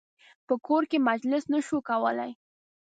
په کور کې مجلس نه شو کولای.